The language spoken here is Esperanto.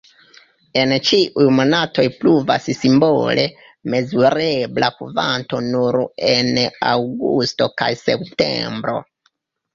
En ĉiuj monatoj pluvas simbole, mezurebla kvanto nur en aŭgusto kaj septembro.